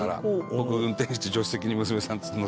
僕運転して助手席に娘さん乗せて。